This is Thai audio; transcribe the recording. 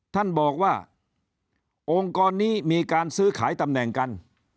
ท่านบอกว่าองค์กรนี้มีการซื้อขายตำแหน่งกัน